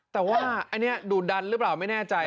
แต่ว่าอันนี้ดูดันหรือเปล่าไม่แน่ใจ